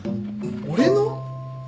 俺の！？